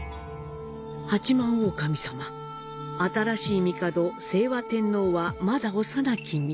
八幡大神さま、新しい帝、清和天皇はまだ幼き身。